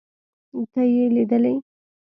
ته يې ليدلې.